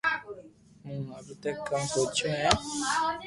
مون ھارو ٿي ڪاو سوچيو ھي